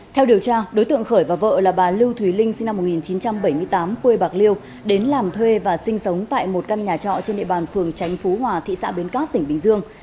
theo điều tra đối tượng khởi và vợ là bà lưu thúy linh sinh năm một nghìn chín trăm bảy mươi tám quê bạc liêu đến làm thuê và sinh sống tại một căn nhà trọ trên địa bàn phường tránh phú hòa thị xã bến cát tỉnh bình dương